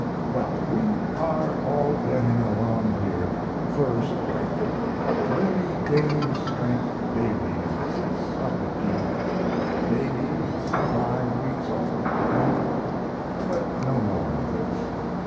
Well, we are all getting along here first rate. Livy gains strength daily and sits up a deal; the baby is five weeks old and But no more of this.